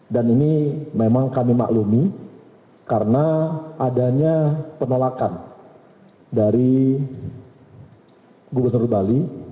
dan ini memang kami maklumi karena adanya penolakan dari gubernur bali